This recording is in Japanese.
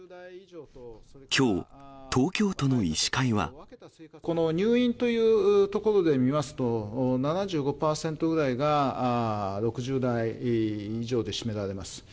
きょう、この入院というところで見ますと、７５％ぐらいが６０代以上で占められます。